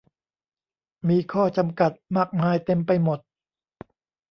มีข้อจำกัดมากมายเต็มไปหมด